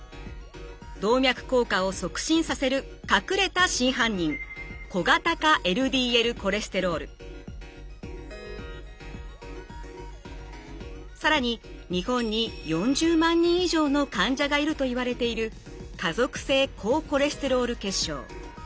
動脈硬化を促進させる隠れた真犯人更に日本に４０万人以上の患者がいるといわれている家族性高コレステロール血症。